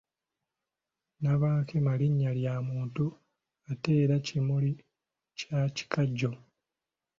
Nabankema Linnya lya muntu ate era kimuli kya kikajjo.